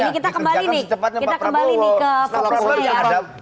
ini kita kembali nih ke prosesnya ya